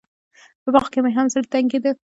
په باغ کښې مې هم زړه تنګېده.